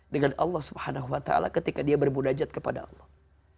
dengan allah subhanahu wa ta'ala ketika dia bermunajat kepada allah